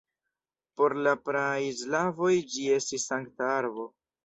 Por la praaj slavoj ĝi estis sankta arbo.